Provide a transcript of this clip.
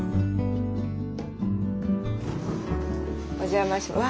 お邪魔します。